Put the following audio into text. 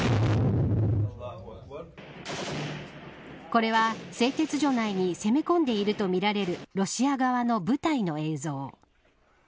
これは製鉄所内に攻め込んでいるとみられるロシア側の部隊の映像。